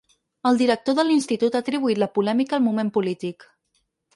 El director de l’institut ha atribuït la polèmica al moment polític.